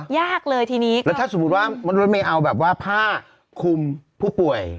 ยากเลยทีนี้แล้วถ้าสมมุติว่ามนุษย์ไม่เอาแบบว่าผ้าคุมผู้ป่วย